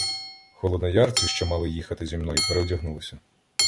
Холодноярці, що мали їхати зі мною, переодягнулися.